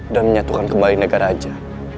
dan menyatukan kembali negara aja